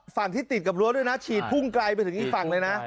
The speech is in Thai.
ฝั่งที่ติดกับรั้วด้วยนะฉีดพุ่งไกลไปถึงอีกฝั่งเลยนะ